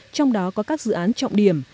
trong đó có các dự án trọng điểm